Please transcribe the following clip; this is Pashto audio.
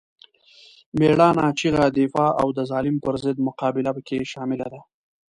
مېړانه، چیغه، دفاع او د ظالم پر ضد مقابله پکې شامله ده.